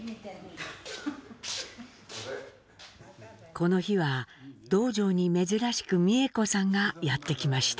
この日は洞場に珍しく美江子さんがやって来ました。